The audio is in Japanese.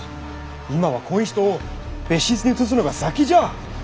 今はこん人を別室に移すのが先じゃ！